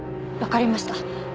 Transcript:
わかりました。